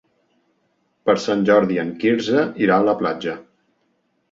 Per Sant Jordi en Quirze irà a la platja.